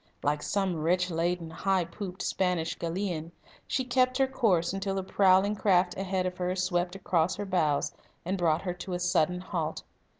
Like some rich laden, high pooped Spanish galleon, she kept her course until the prowling craft ahead of her swept across her bows and brought her to a sudden halt.